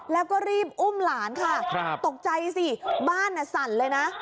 แล้วก็รีบอุ้มหลานค่ะตกใจสิบ้านสั่นเลยนะ